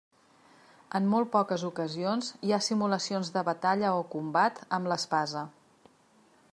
En molt poques ocasions hi ha simulacions de batalla o combat amb l'espasa.